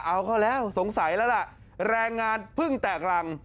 เอาเข้าแล้วสงสัยแล้วล่ะแรงงานเพิ่งแตกรัง